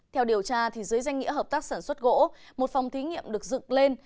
theo điều tra dưới danh nghĩa hợp tác sản xuất gỗ một phòng thí nghiệm được dựng lên